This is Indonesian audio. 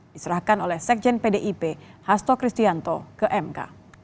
diserahkan oleh sekjen pdip hasto kristianto ke mk